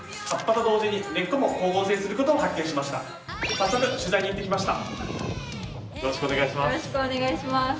早速、取材に行ってきました